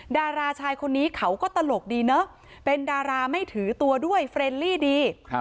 ดาราชายคนนี้เขาก็ตลกดีเนอะเป็นดาราไม่ถือตัวด้วยเฟรนลี่ดี